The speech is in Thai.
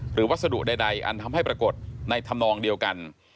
วัสดุใดอันทำให้ปรากฏในธรรมนองเดียวกัน